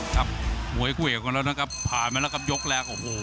ผ่านไปแล้วกับยกแรก